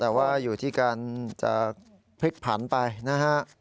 แต่ว่าอยู่ที่การจะพลิกผันไปนะฮะ